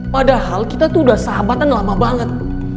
padahal kita tuh udah sahabatan lama banget